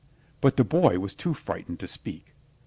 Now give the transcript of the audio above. but the boy was too frightened to speak.